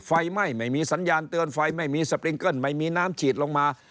ไฟไหม้ไม่มีสัญญาณเตือนไฟไม่มีสปริงเกิ้ลไม่มีน้ำฉีดลงมา